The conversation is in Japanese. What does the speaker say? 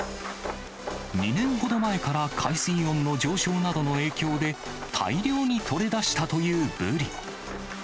２年ほど前から海水温の上昇などの影響で、大漁に取れだしたというブリ。